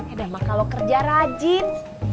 edama kalau kerja rajin